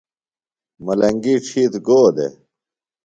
ملنگی ڇِھیتر گو دےۡ؟